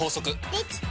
できた！